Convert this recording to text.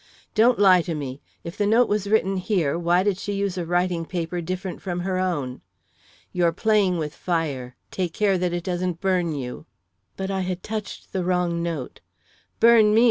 "Don't lie to me! If the note was written here, why did she use a writing paper different from her own? You're playing with fire! Take care that it doesn't burn you!" But I had touched the wrong note. "Burn me!"